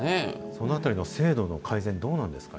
そのあたりの制度の改善、どうなんですか？